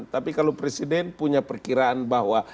tapi kalau presiden punya perkiraan bahwa